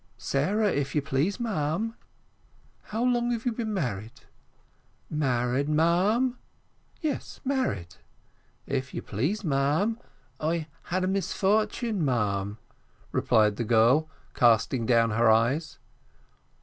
"Sarah, if you please, ma'am." "How long have you been married?" "Married, ma'am?" "Yes, married." "If you please, ma'am, I had a misfortune, ma'am," replied the girl, casting down her eyes.